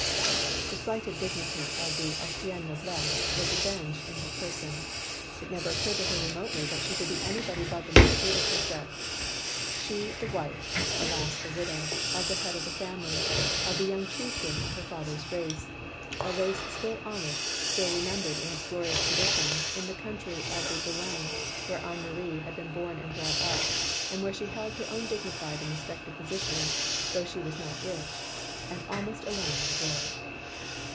The slighted dignity of the ancienne noblesse was avenged in her person. It never occurred to her remotely that she could be anybody but the Marquise de Courset; she the wife (alas! the widow) of the head of the family, — of the young chieftain of her father's race ; a race still honoured, still remembered in its glorious traditions, in the cotintry of the Boulonnais where Anne Marie had been bom and brought up, and where she held her own dignified and respected position, though she was not rich, and almost alone in the world.